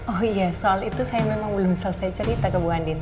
oh iya soal itu saya memang belum selesai cerita ke bu andi